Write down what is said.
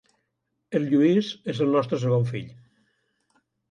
El Lluís és el nostre segon fill.